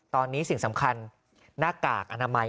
ตอนนี้สิ่งสำคัญหน้ากากอนามัย